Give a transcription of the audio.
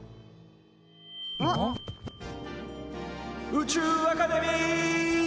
宇宙アカデミー！